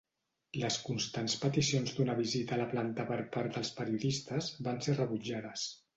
Les constants peticions d'una visita a la planta per part dels periodistes van ser rebutjades.